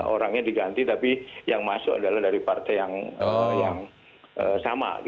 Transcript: orangnya diganti tapi yang masuk adalah dari partai yang sama